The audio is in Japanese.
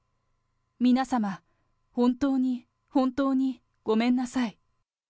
皆様、本当に本当にごめんなさい。